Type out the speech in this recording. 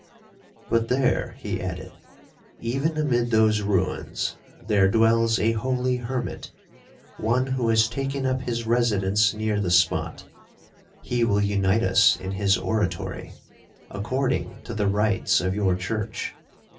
'But there,' he added, 'even amid those ruins, there dwells a holy hermit,—one who has taken up his residence near the spot,—he will unite us in his oratory, according to the rites of your church.